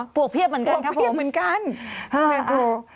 ปวกเพียบเหมือนกันครับผมนึกว่าดู